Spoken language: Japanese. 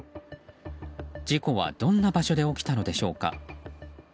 事故はどんな場所で起きたのでしょうか。